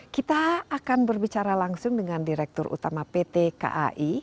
kita akan berbicara langsung dengan direktur utama pt kai